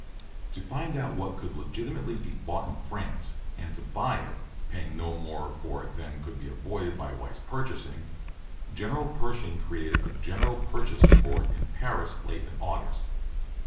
To find out what could legitimately be bought in France, and to buy it, paying no more for it than could be avoided by wise purchasing, General Pershing created a General Purchasing Board in Paris late in August.